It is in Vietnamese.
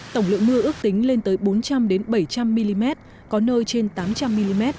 tổng lượng mưa ước tính lên tới bốn trăm linh bảy trăm linh mm có nơi trên tám trăm linh mm